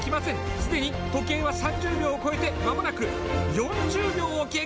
既に時計は３０秒を超えて間もなく４０秒を経過。